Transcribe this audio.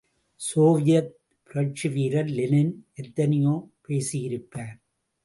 Soviet புரட்சி வீரர் Lenin எத்தனையோ பேசியிருப்பார்!